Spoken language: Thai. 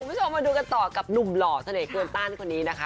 ผมชอบมาดูกันต่อกับนุ่มหล่อเสน่ห์เกลือวตั้นคนนี้